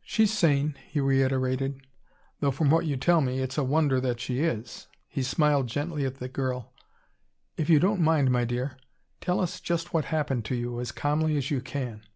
"She's sane," he reiterated. "Though from what you tell me, it's a wonder that she is." He smiled gently at the girl. "If you don't mind, my dear, tell us just what happened to you, as calmly as you can."